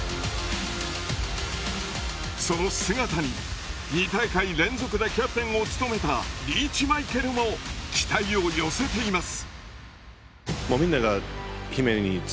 その姿に２大会連続でキャプテンを務めたリーチマイケルも期待を寄せています。